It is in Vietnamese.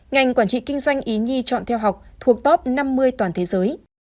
ngành quản trị kinh doanh ý nhi chọn theo học thuộc top năm mươi toàn thế giới